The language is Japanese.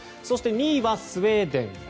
そして２位はスウェーデン。